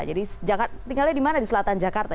jadi tinggalnya di mana di selatan jakarta